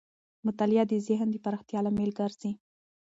مطالعه د ذهن د پراختیا لامل ګرځي.